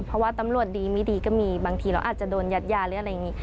เพราะว่าตำรวจดีไม่ดีก็มีบางทีเราอาจจะโดนยัดยาหรืออะไรอย่างนี้